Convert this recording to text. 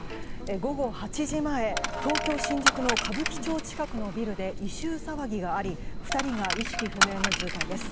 午後８時前、東京・新宿の歌舞伎町近くのビルで異臭騒ぎがあり２人が意識不明の重体です。